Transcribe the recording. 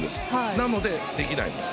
なので、できないんです。